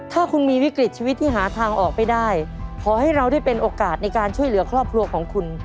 ถ้าคุณมีวิกฤตชีวิตที่หาทางออกไม่ได้ขอให้เราได้เป็นโอกาสในการช่วยเหลือครอบครัวของคุณ